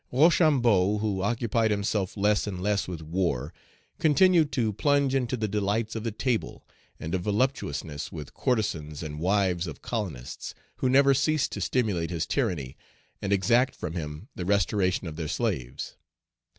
Rochambeau, who occupied himself less and less with war, continued to plunge into the delights of the table, and of voluptuousness with courtesans and wives of colonists, who never ceased to stimulate his tyranny, and exact from him the restoration of their slaves.